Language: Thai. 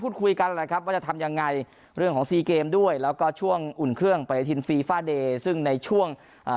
ด้วยแล้วก็ช่วงอุ่นเครื่องประเทศฟีฟาเดย์ซึ่งในช่วงอ่า